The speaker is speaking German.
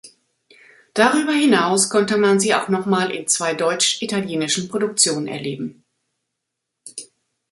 Darüber hinaus konnte man sie auch nochmal in zwei deutsch-italienischen Produktionen erleben.